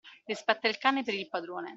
Rispetta il cane per il padrone.